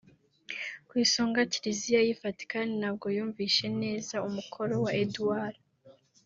ku isonga Kiliziya y’i Vatican ntabwo yumvishe neza umukoro wa Edwards